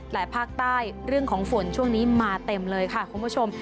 ภาคใต้เรื่องของฝนช่วงนี้มาเต็มเลยค่ะคุณผู้ชม